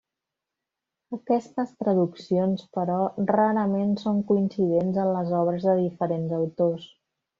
Aquestes traduccions, però, rarament són coincidents en les obres de diferents autors.